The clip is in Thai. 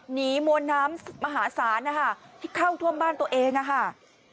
มวลน้ำมหาศาลนะคะที่เข้าท่วมบ้านตัวเองนะคะ